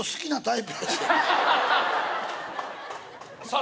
さあ